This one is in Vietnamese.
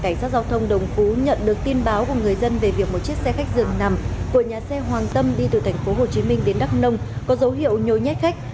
cảnh sát giao thông đồng phú nhận được tin báo của người dân về việc một chiếc xe khách dường nằm của nhà xe hoàng tâm đi từ tp hcm đến đắk nông có dấu hiệu nhối nhét khách